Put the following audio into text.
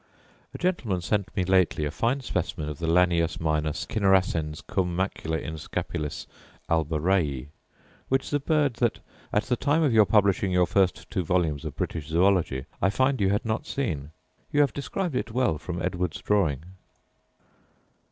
A gentleman sent me lately a fine specimen of the lanius minor cinerascens cum macula in scapulis alba Raii; which is a bird that, at the time of your publishing your two first volumes of British Zoology, I find you had not seen. You have described it well from Edwards's drawing.